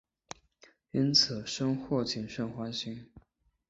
因此深获景胜欢心。